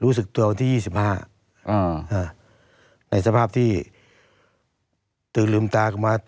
รู้สึกตัววันที่๒๕ในสภาพที่ตื่นลืมตากลับมา